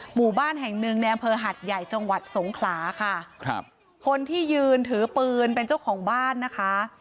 หมู่บ้านแห่งหนึ่งในอำเภอหัดใหญ่จังหวัดสงขลาค่ะครับคนที่ยืนถือปืนเป็นเจ้าของบ้านนะคะ